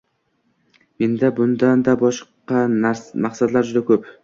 Menda bundanda boshqa maqsadlar juda ko’p.